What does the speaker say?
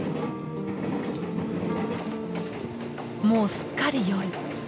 もうすっかり夜。